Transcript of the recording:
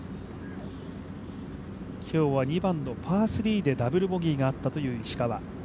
今日は、２番のパー３でダブルボギーがあった石川。